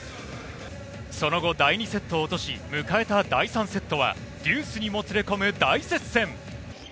その後、第２セットを落とし迎えた第３セットはデュースにもつれ込む大接戦。